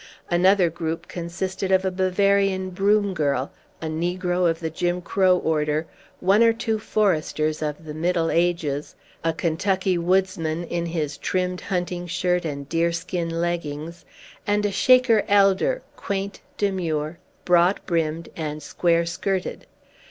Another group consisted of a Bavarian broom girl, a negro of the Jim Crow order, one or two foresters of the Middle Ages, a Kentucky woodsman in his trimmed hunting shirt and deerskin leggings, and a Shaker elder, quaint, demure, broad brimmed, and square skirted.